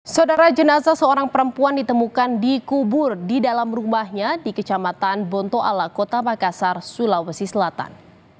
saudara jenazah seorang perempuan ditemukan dikubur di dalam rumahnya di kecamatan bontoala kota makassar sulawesi selatan